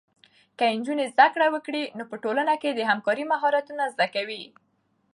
که نجونې زده کړه وکړي، نو په ټولنه کې د همکارۍ مهارتونه زده کوي.